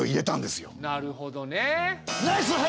なるほどね！ええ！？